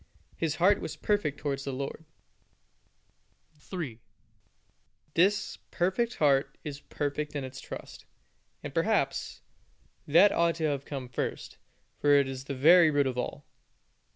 His heart was perfect towards the Lord his God. 3. This perfect heart is perfect in its trust: and, perhaps, that ought to have come first, for it is the very root of all.